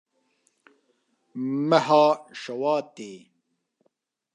Meha Şewatê